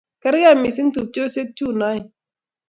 karkei mising tupchesiek chu oeng'